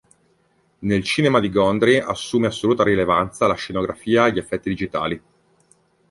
Nel cinema di Gondry assume assoluta rilevanza la scenografia e gli effetti digitali.